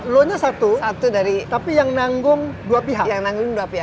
loannya satu tapi yang nanggung dua pihak